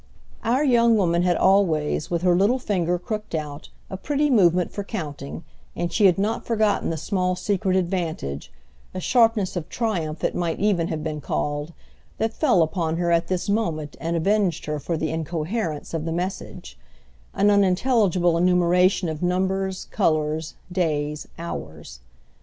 Our young woman had always, with her little finger crooked out, a pretty movement for counting; and she had not forgotten the small secret advantage, a sharpness of triumph it might even have been called, that fell upon her at this moment and avenged her for the incoherence of the message, an unintelligible enumeration of numbers, colours, days, hours.